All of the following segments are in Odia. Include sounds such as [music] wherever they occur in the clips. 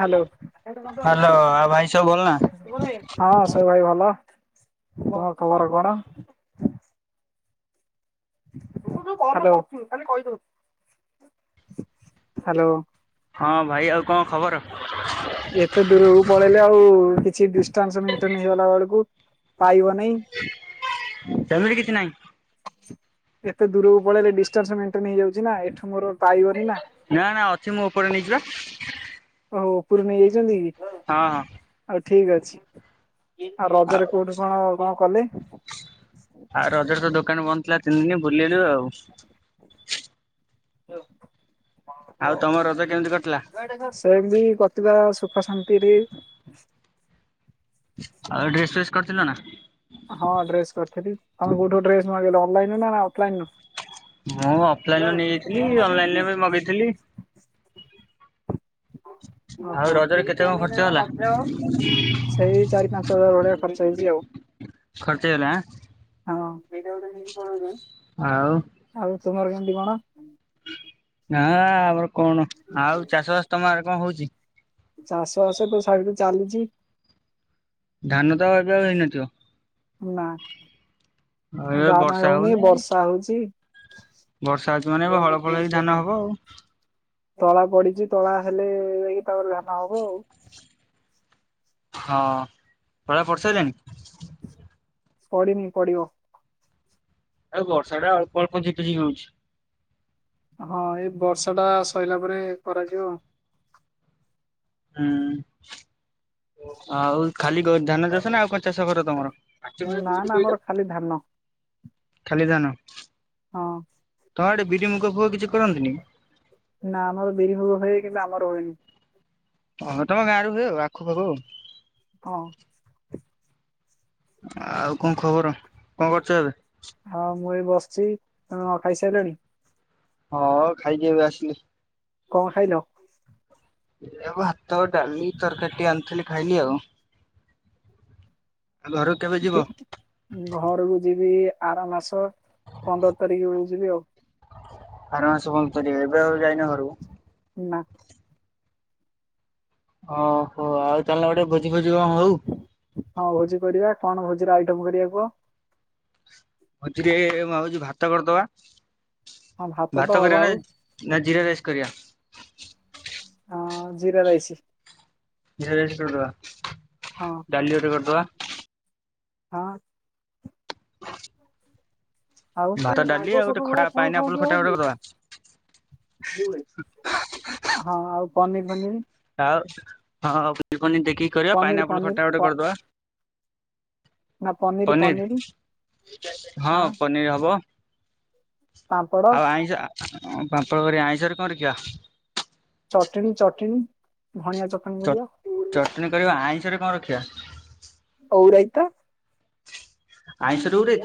ହାଲୋ। ହ୍ୟାଲୋ ହଁ ଆଉ ଭାଇ ସବୁ ଭଲ ନା? ସବୁ ଭାଇ ଭଲ। ତମ ଖବର କଣ? ହାଲୋ। ହାଲୋ। ହଁ ଭାଇ ଆଉ କଣ ଖବର? ଏତେ ଦୂରକୁ ପଳେଇଲେ ଆଉ କିଛି ଡିଷ୍ଟାଂଶ ମେଣ୍ଟେନ ହେଇଗଲା ବେଳକୁ ପାଇବନେଇ। ସେମିତି କିଛି ନାହିଁ। ଏତେ ଦୂରକୁ ପଳେଇଲେ ଡିଷ୍ଟାନ୍ସ ମେଣ୍ଟେନ ହେଇଯାଉଛି ନା, ଏଠୁ ମୋର ପାଇବନି ନା। ନା ନା ଅଛି ମୁଁ ଉପରେ ନେଇଚି ପା। ଓ ଉପୁରୁ ନେଇ ଯାଇଛନ୍ତି କି? ହଁ ହଁ। ଆଉ ଠିକ୍ ଅଛି। ଆଉ ରଜରେ କୋଉଠି କଣ କଣ କଲେ? ଆଉ ରଜରେ ତ ଦୋକାନ ବନ୍ଦ ଥିଲା ତିନି ଦିନ ବୁଲିଲୁ ଆଉ। ଆଉ ତମ ରଜ କେମିତି କଟିଲା? ସେମିତି କଟିଲା ସୁଖ ଶାନ୍ତିରେ। ଆଉ ଡ୍ରେସ ଫେସ୍ କରିଥିଲ ନା? ହଁ ଡ୍ରେସ କରିଥିଲି। ତମେ କୋଉଠୁ ଡ୍ରେସ ମଗେଇଲା ଅନଲାଇନ ରୁ ନା ଅଫଲାଇନ ରୁ? ମୁଁ ଅଫଲାଇନ ନେଇଯାଇଥିଲି ଅନଲାଇନ ରେ ବି ମଗେଇଥିଲି। ଆଉ ଓହୋ। ରଜରେ କେତେ କଣ ଖର୍ଚ୍ଚ ହେଲା? ସେଇ ଚାରି ପାଞ୍ଚ ହଜାର ଭଳିଆ ଖର୍ଚ ହେଇଛି ଆଉ। ଖର୍ଚ ହେଇଗଲା ଆଁ। ହଁ। [unintelligible] ଆଉ ଆଉ ତୁମର କେମିତି କଣ? ନା ଆମର କଣ। ଆଉ ଚାଷ ବାସ ତମ ଆଡେ କଣ ହଉଛି? ଚାଷ ବାସ ସବୁ ଚାଲିଚି। ଧାନ ତ ଏବେ ଆଉ ହେଇନଥିବ? ନା। ଏବେ ଧାନ ବର୍ଷା ହଉନି ବର୍ଷା ହଉଚି। ବର୍ଷା ହଉଚି ମାନେ ହଳ ଫଳ ହେଇକି ଧାନ ହବ ଆଉ। ତଳା ପଡିଛି ତଳା ହେଲେ ଯାଇକି ତାପରେ ଯାହା ହବ ଆଉ। ହଁ ତଳା ପଡି ସାରିଲାଣି? ପଡିନି ପଡିବ। ଆଉ ବର୍ଷା ଟା ଅଳ୍ପ ଅଳ୍ପ ଝିପଝିପ୍ ହଉଚି। ହଁ ଏଇ ବର୍ଷା ଟା ସରିଲା ପରେ କରାଯିବ ଆଉ। ହୁଁ। ଆଉ ଖାଲି ଧାନ ଚାଷ ନା ଆଉ କଣ ଚାଷ କର ତମର? ନା ନା ଆମର ଖାଲି ଧାନ ଖାଲି ଧାନ। ହଁ। ତମ ଆଡେ ବିରିମୁଗ ଫୁଗ କିଛି କରନ୍ତିନି କି? ନା ଆମର ବିରି ମୁଗ ହୁଏ କିନ୍ତୁ ଆମର ହୁଏନି। ଓହୋ ତମ ଗାଁ ରେ ହୁଏ ଆଖୁ ଫାଖୁ। ହଁ। ଆଉ କଣ ଖବର କଣ କରୁଛ ଏବେ? ହଁ ମୁଁ ଏ ବସିଛି ତମେ ନ ଖାଇସାରିଲଣି? ହଁ ଖାଇକି ଏବେ ଆସିଲି। କଣ ଖାଇଲ? ଏ ଭାତ, ଡାଲି, ତରକାରୀ ଟିକେ ଆଣିଥିଲି ଖାଇଲି ଆଉ। ଆ ଘରକୁ କେବେ ଯି ଘରକୁ ଯିବି ଆର ମାସ ପନ୍ଦର ତାରିଖ ବେଳକୁ ଯିବି ଆଉ। ଆର ମାସ ପନ୍ଦର ତାରିଖରେ ଏବେ ଆଉ ଯାଇନ ଘରକୁ? ନା। ଓ ହୋ ଆଉ ଚାଲୁନ ଗୋଟେ ଭୋଜି ଫୋଜି ଗୋଟେ କଣ ହଉ। ହଁ ଭୋଜି କରିବା କଣ ଭୋଜିର ଆଇଟମ୍ କରିବା କୁହ? ଭୋଜିରେ ମୁଁ ଭାବୁଛି ଭାତ କରିଦବା ହଁ ତ ଭାତ ହବ କରିବାନା ଆଉ ନା ଜିରା ରାଇସ୍ କରିଆ? [inaudible] ହଁ ଜିରା ରାଇସ। ଜିରା ରାଇସ କରିଦବା ହଁ ଡାଲି ଗୋଟେ କରିଦବା। ହଁ। ଆଉ ଭାତ ଡାଲି ଆଉ ଗୋଟେ ଖଟା ପାଇନାପଲ ଖଟା ଗୋଟେ କରିଦବା ହଁ ଆଉ ପନିର ପନିର ଆଉ ହଁ ପନିର ଫନିର ଦେଖିକି କରିବା ପନିର ପାଇନ ଆପଲ ପନିର ଖଟା ଗୋଟେ ପ କରିଦବା। ନା ପନିର ପନିର ହଁ ପନିର୍ ହବ ପାମ୍ପଡ଼ ଆଉ ଆଇଁଷ ପାମ୍ପଳ କରିବା ଆଇଁଷରେ କଣ ରଖିବା? ଚଟଣି ଚଟଣୀ ଧାଣିଆ ଚଟଣି ଚ କରିବା। ଚଟଣି କରିବା ଆଇଁଷ ରେ କଣ ରଖିବା? ଓଉରାଇତା ଆଇଁଷ ରେ ଗୋଟେ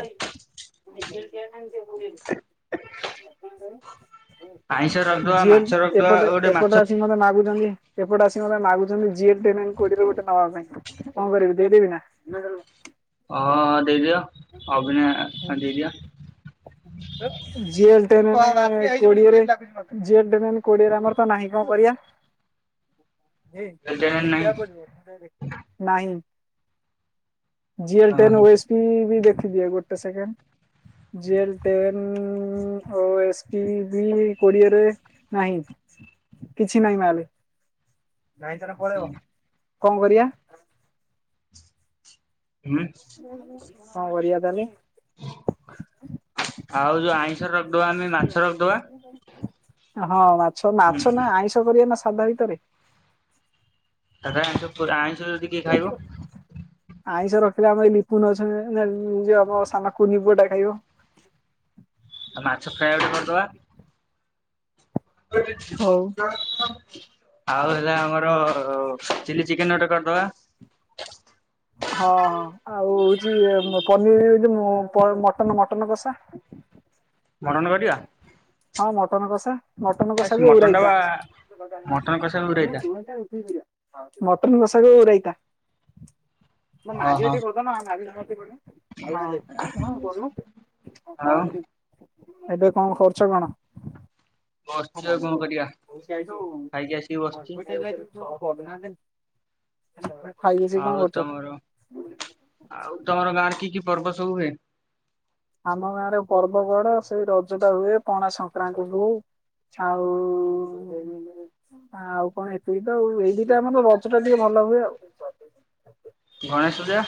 [inaudible] [inaudible] ଆଇଁଷ ରଖିଦବା ଯିଏ ମାଛ ରଖିଦବା ଏପଟେ ଗୋଟେ ମାଛ ଏପଟେ ଆସି ମତେ ମାଗୁଛନ୍ତି। ଏପଟେ ଆସି ମତେ ମାଗୁଛନ୍ତି [unintelligible] କୋଡ଼ିଏରେ ଗୋଟେ ନବା ପାଇଁ କଣ କରିବି ଦେଇଦେବି ନା? ହଁ ହଁ ଦେଇଦିଅ ଅଭିନୟ ଦେଇଦିଅ। [unintelligible] କୋଡ଼ିଏରେ [unintelligible] କୋଡିଏରେ ଆମର ତ ନାହିଁ କଣ କରିବା? [inaudible] ନାହିଁ ଦେଖିବାକୁ ପଡିବ ନାହିଁ? ଜିଏଲ ଟେନ୍ ହଁ ଓଏସ୍ ପି ବି ଦେଖିଦିଏ ଗୋଟେ second? JL ten O S B କୋଡିଏରେ ନାହିଁ କିଛି ନାହିଁ ମାଲେ କଣ କରିବା? ହୁଁ କଣ କରିବା ତାହାଲେ? ଆଉ ଯୋଉ ଆଇଁଷ ରଖିଦବା ଆମେ ମାଛ ରଖିଦବା। ହଁ ମାଛ ମାଛ ନା ଆଇଁଷ କରିବା ନା ସାଧା ଭିତରେ ସାଧା ଆଇଁଷ ପୁ ଆଇଁଷ ଯଦି କିଏ ଖା ଆଇଁଷ ରଖିଲେ ଆମର ଏଇ ଲିପୁନ [unintelligible] ଜଉ ଆମ ସାନକୁନିପୁଅ ଟା ଖାଇବ? ଆଉ ମାଛ ଫ୍ରାଏ ଗୋଟେ କରିଦବା। ହଉ ହଁ [unintelligible] ଆଉ ହେଲା ଆମର ଚିଲି ଚିକେନ ଗୋଟେ କରିଦବା? ହଁ ହଁ ଆଉ ହଉଚି ପନିର ମ ମଟନ ମଟନ କଷା। ସ୍ମରଣ କରିବା? ହଁ ମଟନ କସା? ମଟନ କଷା ଆସ୍ କୁ ଓଉ ଟା ରାଇତା। ବା ମଟନ କଷାକ ମଟନ କଷା ଦୂରେଇଥା। କୁ ଅଉ ରାଇତା। ଓହୋ। ଆଉ [unintelligible] ଏବେ କଣ କରୁଚ କଣ? ବସିଛି ଆଉ କଣ କରିବା ଖାଇକି ଆସିକି ବସିଛି [unintelligible] ଖାଇ ପିଇ କଣ ଆଉ କରୁଛ? ତମର ଆଉ ତମର ଗାଁରେ କି କି ପର୍ବ ସବୁ ହୁଏ? ଆମ ଗାଁରେ ପର୍ବ କଣ ସେଇ ରଜ ଟା ହୁଏ ପଣା ସଂକ୍ରାନ୍ତି ହୁଏ? ଆଉ ଆଉ କଣ ଏତିି ତ ଏଇ? ଆମର ରଜ ଟା ଟିକେ ଭଲ ହୁଏ ଆଉ। ଗଣେଶଜା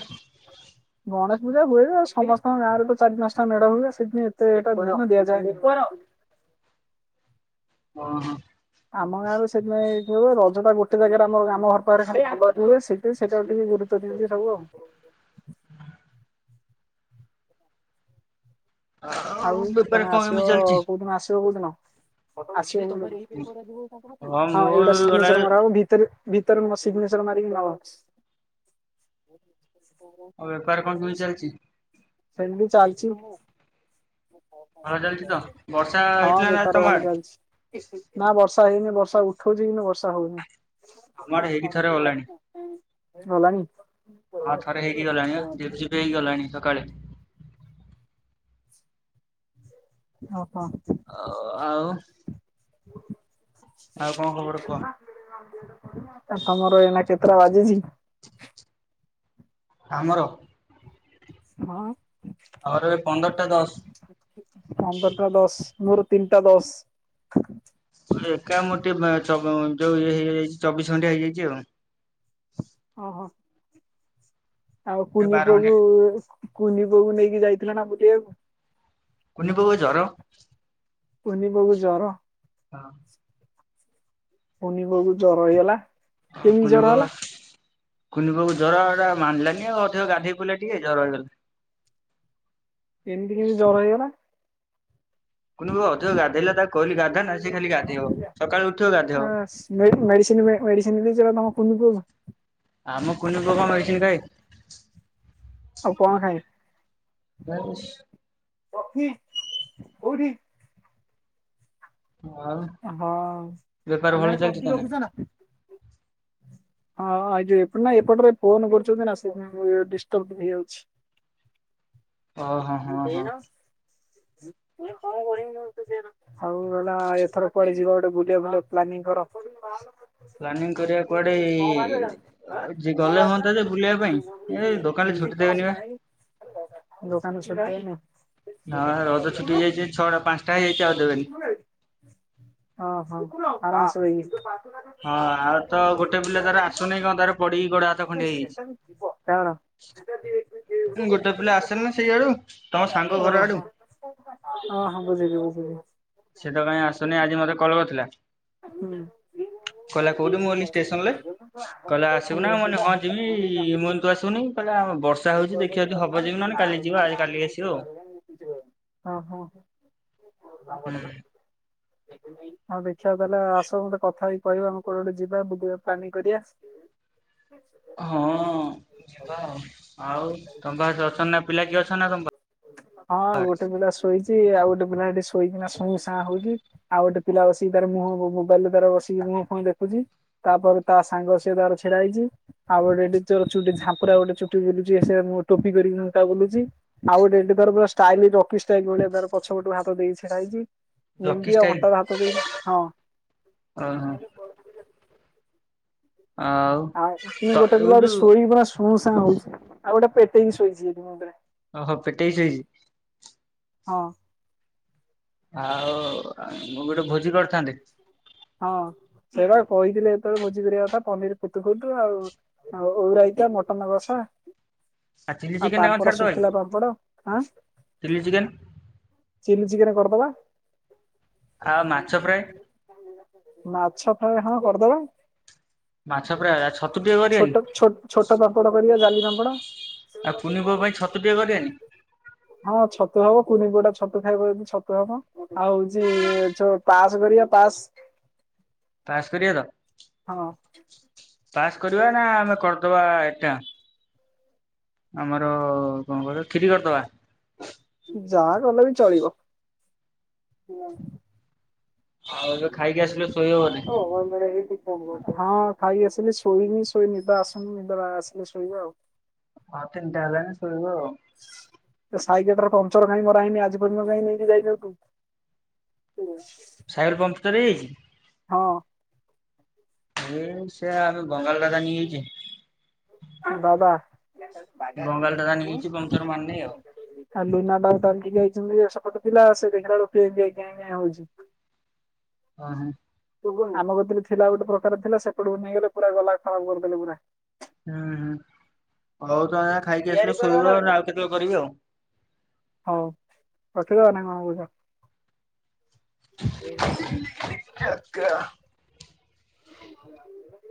ଗଣେଶ ପୂଜା ହୁଏ ଆଉ ସମସ୍ତଙ୍କ ଗାଁରେ ଚାରି ପାଞ୍ଚଟା ମେଢ ହୁଏ ସେଥିପାଇଁ ଏତେ ଟା ଦିଆଯାଏନାହିଁ। ଓଁ ହୋ। ଆମ ଗାଁରେ ସେଥିପାଇଁ କି ହ ରଜଟା ଗୋଟେ ଜାଗାରେ ଆର ଆମ ଘର ପାଖରେ ଖାଲିୁଏ ସେ ସେଇଟା ଟିକେ ଗୁରୁ ତ୍ତ୍ଵ ଦେଇଚି ସବୁ ଆଉ। ଆଉ ବେପାର ତମେ କଣ ଆସିବ କେମିତି ଚାଲିଛି? କୋଉ ଦିନ ଆସିବ କୋଉ ଦିନ ଆସିବ? ହଁ ମୁଁ ଏଟା ସବୁ ଗଲାବେଳେ ସିଗ୍ନଚର ମରା ହବ ଭିତରେ ଭିତରରୁ ସିଗ୍ନଚର ମାରିକି ନ [inaudible] ଆଉ ବେପାର କଣ କେମି ଚାଲିଚି? ସେମିତି ଚାଲଚି ହ। ଭଲ ଚାଲିଛି ତ ବର୍ଷା ହଁ ହେଇଥିଲା ନା ବେପାର ତମ ଭଲ ଆଡେ? ଚାଲିଛି। ନା ବର୍ଷା ହେଇନି ବର୍ଷା ଉଠଉଚି କିନ୍ତୁ ବର୍ଷା ଆମ ଆଡେ ହେଇକି ଥରେ ଗଲାଣି ହଉନି। ଗଲାଣି? ହଁ ଥରେ ହେଇକି ଗଲାଣି ବା ଝୁରୁ ଝୁରୁ ହେଇକି ଗଲାଣି ସକାଳେ। ଓହୋ। ଓ ଆଉ? ଆଉ କଣ ଖବର କୁହ? ତମର ଏନା କେତେଟା ବାଜିଛି? ଆମର? ହଁ ଆମର ଏବେ ପନ୍ଦରଟା ଦଶ। ପନ୍ଦରଟା ଦଶ। ମୋର ତିନିଟା ଦଶ। ଏକା ମ ଟିକେପା ଉ ଅ ଅ ଯୋଉ ଇଏ ହେଇଯାଇଚି ଚବିଶ ଘଣ୍ଟିଆ ହେଇଯାଇଚି ଆଉ। ଓହୋ। ଆଉ ଏ କୁନି ବାର ଘଣ୍ଟିଆ ପୁଅକୁ କୁନି ପୁଅକୁ ନେଇକି ଯାଇଥିଲେ ନା ବୁଲିବାକୁ? କୁନି ପୁଅକୁ ଜର। କୁନି ପୁଅକୁ ଜର? ହଁ। କୁନି ପୁଅ କୁ ଜର ହେଇଗଲା? ହ କେମିତି କୁନି ଜର ପୁଅ ହେଲା ବା କୁନିପୁଅ କୁ ଜ୍ୱର ତ ମାନିଲାନି ଆଉ ଅଧିକ ଗାଧୋଇ ପଡିଲା ଟିକେ ଜର ହେଇଗଲା। ଏମିତି କେମିତି ଜ୍ୱର ହେଇଗଲା? କୁନି ପୁଅ ଅଧିକ ଗାଧୋଇଲା ତାକୁ କହିଲ ଗାଧା ନା ସେଏ ଖାଲି ଗାଧେଇବ ସକାଳୁ ଉଠିବ ଗାଧେଇବ। ମେଡି ମେଡିସିନ ମେଡିସିନ ଦେଇଚ ତମ କୁୁନି ପୁଅ କୁ? ଆମ କୁନି ପୁଅ କଣ ମେଡ଼ିସିନ ଖାଉଚି କାଇଁ? ଆଉ କଣ ଖାଇବ? ନେଶ ନି କୋଉଠି। ମୁଁ ଆଉ। ହ ଉ ଦୋକାନ‌ ରେ କଫି ତାନେ? ରଖୁଛ ନା। ହଁ ଆଇ ଯୋଉ ଏପଟ ନା ଏପଟରେ ଫୋନ କରୁଛନ୍ତି ନା ସେ ଯୋଗୁ ଡିସଟର୍ବ ଟିକେ ହେଇଯାଉଛି। ହ ତମେ ଦେଇନ ମୁଁ କଇଲି କଁ କରିବି ତମେ ତ ଦେଇନ। ହଉ ଗଲା ଏଥର କୁଆଡେ ଯିବା ଗୋଟେ ବୁଲିବା ଭଲ ପ୍ଲାନିଂ କର। ପ୍ଲାନିଂ କରିବା। କୁଆଡେ ଯେ ଗଲେ ହୁଅନ୍ତା ଯେ ବୁଲିବା ପାଇଁ ଏ ଦୋକାନ ଛୁଟି ଦେବେନି ବା। ଦୋକାନ ରେ ଛୁଟି ଦେବେନି। ନା ରଜ ଛୁଟି ହେଇଯାଇଛି ଛଅଟା ପାଞ୍ଚଟା ହେଇଯାଇଛି ଆଉ ଦେବେନି। ଓ ହୋ ଆରା ମସ କୁ ଯାଇକି। ହଁ ଆର ତ ଗୋଟେ ପିଲା ତାର ଆସୁନି କଣ ତାର ପଡିକି ଗୋଡ ହାତ ଖଣ୍ଡିଆ ହେଇଯାଇଛି। ଖ ଉଁ ଗୋଟେ ପିଲା ଆସୁନି ନା ସେଇଆଡୁ ତମ ସାଙ୍ଗ ଘର ଆଡୁ। ଓ ହୋ ବୁଝିଲି ବୁଝିଲି। ସେ ଟୋକା କାଇଁ ଆସୁନି ଆଜି ମତେ କଲ କରିଥିଲା। ହୁଁ। କହିଲା କୋଉଠି ମୁଁ କଇଲି ଷ୍ଟେସନ ରେ ଆଉ କହିଲା ଆସିବୁ ନା ମୁଁ କଇଲି ଦେଖିବା ହଁ ଯିମି ମୁଁ କଇଲି ତୁ ଆସିବୁନି କି। କହିଲା ଆଉ ବର୍ଷା ହଉଛି ଦେଖିବା ଯଦି ହବ ଯିବି ନହଲେ କାଲି ଯିବା ଆ କାଲିିକି ଆସିବ ଆଉ ‌। ଓ ହୁଁ ହୋ ଆ ଛୁଆ ତାହେଲେ ଆସୁ ମତେ କଥା ହେଇକି କହିବେ ଆମେ କୁଆଡେ ଗୋଟେ ଯିବା ବୁିଲିବା ପ୍ଲାନିଙ୍ଗ କରିବା। ହଁ ଯିବା ଆଉ। ଆଉ ତମ ପାଖରେ କିଏ ଅଛନ୍ତି ନା ପିଲା କିଏ ଅଛନ୍ତି ନା ତମ ହଁ ପାଖରେ। ଗୋଟେ ପିଲା ଶୋଇଛି ଆଉ ଗୋଟେ ପିଲା ଏଠି ଶୋଇକିନା ଶୁଇଁ ସାଁ ହଉଛି। ଆଉ ଗୋଟେ ପିଲା ବସିକି ତାର ମୁହଁ ମୋବାଇଲ ରେ ତାର ବସିକି ମୁହଁ ଫୁହଁ ଦେଖୁଛି। ତାପରେ ତା ସାଙ୍ଗ ସିଏ ତାର ଛିଡା ହେଇଛି ଆଉ ଗୋଟେ ଏଠି ଚୋର ଚୁଟି ଝାମ୍ପୁରା ଗୋଟେ ଚୁଟି ବୁଲୁ। [unintelligible] ଆଉ ଗୋଟେ ଏଠି ତାର ପୁର ଷ୍ଟାଇଲ ଜକି ଷ୍ଟାଇଲ ଭଳିଆ ତାର ପଛ ପଟୁ ହାତ ଦେଇ ଛିଡ଼ା ହେଇଛି। ଜକି ଏମିତି ଆଉ ଷ୍ଟାଇଲି ଅଣ୍ଟାରେ ହାତ ଦେଇକି ହଁ। ଓ ହୋ। ଆଉ। ଆଉ ଏ ତ ଗୋଟେ ପିଲା ଗୋଟେ ଏଉଠୁ ଶୋଇ କି ପୁରା ଶୁଁ ଶାଁ ହଉଛି ଆଉ ଗୋଟେ ପେଟେକି ଶୋଇଛି ମୋର କତିରେ। ଓହୋ ପେଟେଇକି ଶୋଇଛି। ହଁ। ଆଉ ମୁଁ କଇଲି ଗୋଟେ ଭୋଜି କରିଥାନ୍ତେ। ହଁ ସେଟା କହିଥିଲି ସେତେବେଳେ ଭୋଜି କରିବା କଥା ପନିର କୁତୁ କୁତୁ ଆଉ। ଉ ଓଉ ରାଇତା ମଟନ କସା ଚିଲି ଆଉ ଚିକେନ ଟା ପାମ୍ପଡ ଶୁଖିଥଲା ପାମ୍ପଡ। ଆଁ। Chilli chicken. ଚିଲ୍ଲି ଚିକେନ କରିଦବା। ଆଉ ମାଛ ପ୍ରାଏ। ମାଛ ପ୍ରାଏ ହଁ କରିଦବା। ମାଛ ପ୍ରାଏ ଆଉ ଛତୁ ଟିକେ ଛୋଟ କରିବାନି। ଛୋ ଛୋଟ ପାମ୍ପଡ କରିବା ଜାଲି ପାମ୍ପଡ। ଆଉ କୁନି ପୁଅ ପାଇଁ ଛତୁଟିକେ କରିବାନି। ହଁ ଛତୁ ହବ କୁନି ପୁଅ ଟା ଛତୁ ଖାଇବ ଯଦି ଛତୁ ହବ ‌। ଆଉ ହଉଛି ଯୋଉ ପାସ୍ କରିବା ପାସ୍। ପାସ୍ କରିବା ତ। ହଁ। ପାସ୍ କରିବା ନା ଆମେ କରିଦବା ଏଟା। ଆମର କଣ କହିବ କ୍ଷିରି କରିଦବା ଯାହା କଲେ ବି ଚଳିବ ଆଉ ଏବେ ଖାଇକି ଆସିଲେ ଶୋଇବ ବୋଧେ ହ ବନ୍ଦଳେ ହେଇଚି ହଁ ଖାଇକି ଆସିଲି ଶୋଇନି ଶୋଇ ନିିଦ ଆଶୁନି ନିଦଟା ଆସିଲେ ଶୋଇବା ଆଉ ହ ତିନିଟା ହେଲାଣି ଶୋଇବୁ ଆଉ ସେ ସାଇକେ ଟର ପଞ୍ଚଚର କାଇ ମରା ହେଇନି ଆଜି ପଯ୍ୟନ୍ତ କାଇ ନେଇକି ଯାଇନୁ ହୁଁ [unintelligible] ସାଇକଲମ୍ପ ଟର ହେଯାଇଛି ହଁ ଏଇ ସେ ଆମେ ବଙ୍ଗାଳଦାଦା ନେଇଯାଇଛେ ଆମ ଦାଦା ବଙ୍ଗାଲ ଦାଦା ନେଇଛି ପଙ୍କଚର ମାର ନେଇ ଆଉ ଆଉ ଲୁନାଟାଉ ତାଙ୍କୁ ଯାଇଛନ୍ତି ସେପଟ ଥିଲା ସେ ଦେ [unintelligible] ହଉଛି ଓ ହୋ ତୁ କ ଆମ କରେ ଥିଲା ଗୋଟେ ପ୍ରକାର ଥିଲା ସେପଟକୁ ନେଇଗଲେ ପୁରା ଗଲା ଖରାପ କରିଦେଲେ ପୁରା ହୁଁ ହୁଁ ହଉ ତୁ ଆଗେ ଯା ଖାଇକି ଆସିଲ ଶୋଇବ ଆଉ କେତେବେଳେ କରିବି ଆଉ ହଉ ରଖିଦ ଆଉ ନା କଣ କହୁଛ ଆଖ [unintelligible] [inaudible]